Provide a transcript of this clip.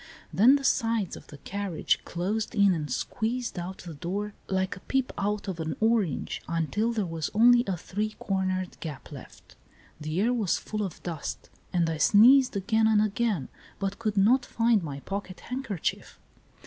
Then the sides of the carriage closed in and squeezed out the door like a pip out of an orange, until there was only a three cornered gap left. The air was full of dust, and I sneezed again and again, but could not find my pocket handkerchief.